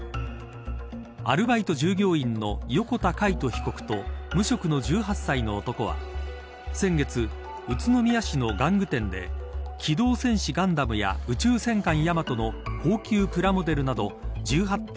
アルバイト従業員の横田魁人被告と無職の１８歳の男は先月、宇都宮市の玩具店で機動戦士ガンダムや宇宙戦艦ヤマトの高級プラモデルなど１８点